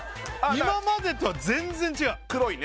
今までとは全然違う黒いね